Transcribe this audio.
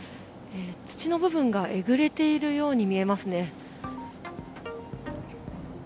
土の部分がえぐれているように見えますね。